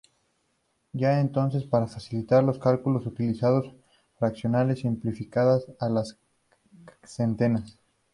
Ya entonces para facilitar los cálculos utilizaban fracciones simplificadas a las centenas.